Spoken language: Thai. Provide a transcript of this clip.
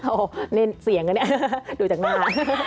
โอ้โฮเล่นเสียงกันเนี่ยดูจากหน้า